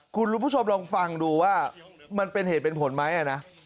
คุณผู้ชมลองฟังดูว่ามันเป็นเหตุเป็นผลไหมนะ